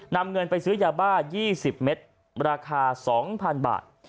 นำเงินไปซื้อยาบ้า๒๐เมตรราคา๒๐๐๐บาท